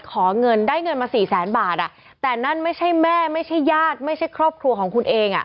ขอเงินได้เงินมาสี่แสนบาทอ่ะแต่นั่นไม่ใช่แม่ไม่ใช่ญาติไม่ใช่ครอบครัวของคุณเองอ่ะ